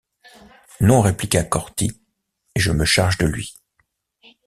Non, répliqua Corty, et je me charge de lui!